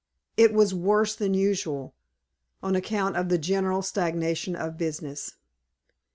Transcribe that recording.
It was worse than usual, on account of the general stagnation of business.